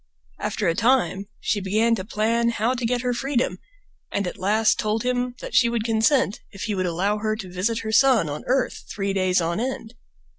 After a time she began to plan how to get her freedom, and at last told him that she would consent if he would allow her to visit her son on earth three days on end.